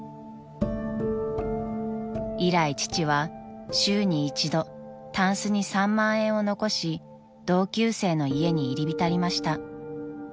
［以来父は週に一度たんすに３万円を残し同級生の家に入り浸りました］